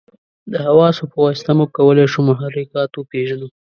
د حواسو په واسطه موږ کولای شو محرکات وپېژنو.